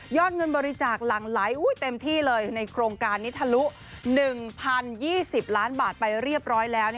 เงินบริจาคหลั่งไหลเต็มที่เลยในโครงการนี้ทะลุ๑๐๒๐ล้านบาทไปเรียบร้อยแล้ว